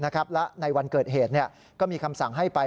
และในวันเกิดเหตุก็มีคำสั่งให้ไป